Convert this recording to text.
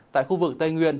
tại khu vực tây nguyên